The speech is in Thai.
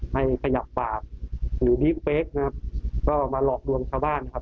ไม่ขยับปากหรือบิ๊กเป๊กนะครับก็มาหลอกลวงชาวบ้านนะครับ